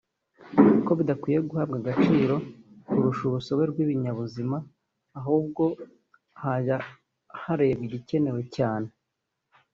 ko bidakwiye guhabwa agaciro kurusha urusobe rw’ibinyabuzima ahubwo hajya harebwa igikenewe cyane